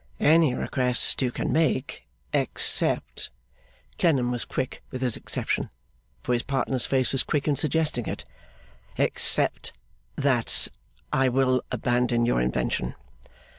'Any request you can make Except,' Clennam was quick with his exception, for his partner's face was quick in suggesting it, 'except that I will abandon your invention.